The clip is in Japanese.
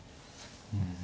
うん。